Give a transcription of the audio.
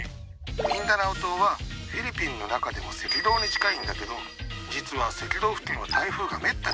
ミンダナオ島はフィリピンの中でも赤道に近いんだけど実は赤道付近は台風がめったに来ないのよ。